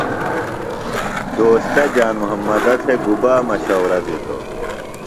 دوستہ جان محمدہ تھےۡ گُبا مشورہ دِتوۡ؟